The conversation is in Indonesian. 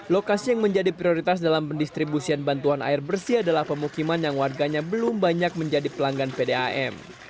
lokasi yang menjadi prioritas dalam pendistribusian bantuan air bersih adalah pemukiman yang warganya belum banyak menjadi pelanggan pdam